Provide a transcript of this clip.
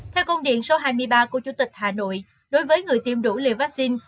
theo công điện số hai mươi ba của chủ tịch hà nội đối với người tiêm đủ liều vaccine